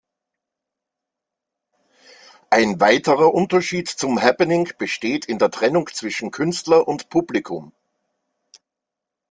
Ein weiterer Unterschied zum Happening besteht in der Trennung zwischen Künstler und Publikum.